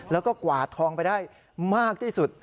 แล้วก็กวาดทองไปได้มากที่สุด